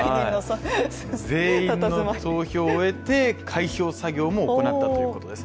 全員の投票を終えて開票作業も行ったということです。